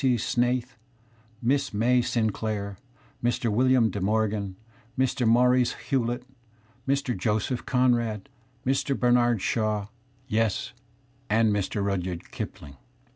C. Snait h, Miss May Sinclair, Mr. William De Morgan, Mr. Maurice Hewlett, Mr. Joseph Conrad, Mr. Bernard Shaw, yes, and Mr. Rudyard Kipling.